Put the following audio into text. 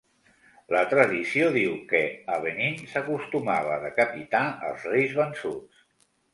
La tradició diu que, a Benín, s'acostumava a decapitar els reis vençuts.